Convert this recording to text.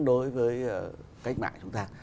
đối với cách mạng chúng ta